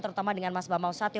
terutama dengan mas bamausatyo